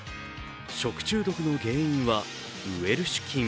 食中毒の原因はウエルシュ菌。